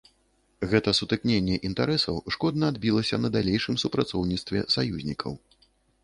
Гэта сутыкненне інтарэсаў шкодна адбілася на далейшым супрацоўніцтве саюзнікаў.